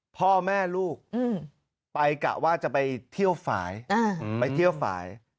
พ่อแม่ลูกไปกะว่าจะไปเที่ยวฝ่าย